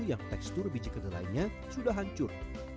yang tekstur biji kedelainya sudah hancur